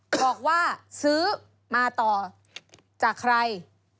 บอกว่าซื้อมาต่อจากใคร